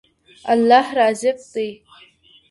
الله رازق دی.